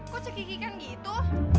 kok cekikikan gitu